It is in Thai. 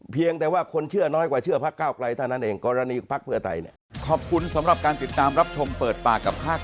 เพียงแต่ว่าคนเชื่อน้อยกว่าเชื่อภักษ์ก้าวกลายเท่านั้นเอง